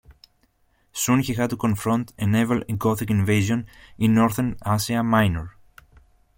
Soon he had to confront a naval Gothic invasion in northern Asia Minor.